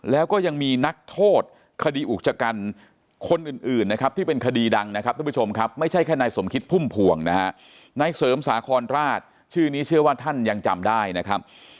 แล้วก็ยังมีนักโทษคดีอุกจกันคนอื่นนะครับที่เป็นคดีดังนะครับทุกผู้ชมครับไม่ใช่แค่นายสมคิดพุ่มพวงนะฮะนายเสริมสาครราชชื่อนี้เชื่อว่าท่านยังจำได้นะครับ